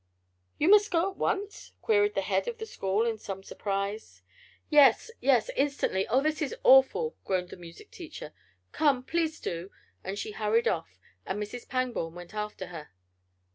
"You must go at once?" queried the head of the school, in some surprise. "Yes! yes! instantly! Oh, this is awful!" groaned the music teacher. "Come, please do!" And she hurried off, and Mrs. Pangborn went after her.